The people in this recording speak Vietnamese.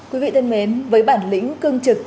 quý vị thân mến với bản lĩnh cương trực